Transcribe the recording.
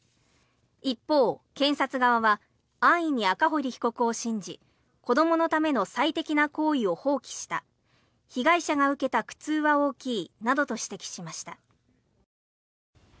一方、検察側は安易に赤堀被告を信じ子どものための最適な行為を放棄した被害者が受けた苦痛は大きいなどと指摘しました。